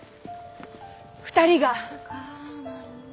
２人が。